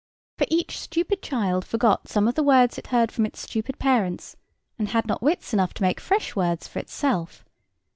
For each stupid child forgot some of the words it heard from its stupid parents, and had not wits enough to make fresh words for itself.